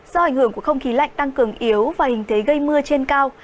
do ảnh hưởng của không khí lạnh tăng cường yếu và hình thế gây mưa trên cao